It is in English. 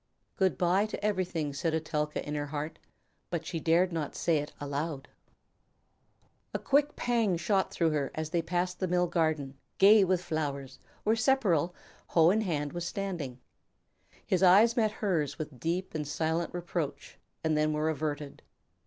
"Good by to everything," said Etelka in her heart, but she dared not say it aloud. A quick pang shot through her as they passed the mill garden, gay with flowers, where Sepperl, hoe in hand, was standing. His eyes met hers with deep and silent reproach, then were averted.